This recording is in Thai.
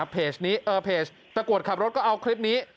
เพจนี้เพจตะกรวดขับรถก็เอาคลิปนี้